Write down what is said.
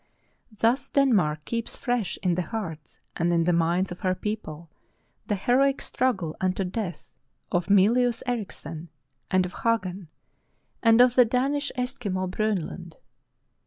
Thus Denmark keeps fresh in the hearts and in the minds of her people the heroic struggle unto death of Mylius Erichsen and of Hagen, and of the Danish Eskimo Bronlund.